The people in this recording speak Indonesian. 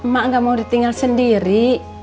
mak gak mau ditinggal sendiri